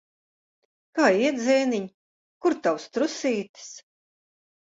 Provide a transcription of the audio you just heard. Kā iet, zēniņ? Kur tavs trusītis?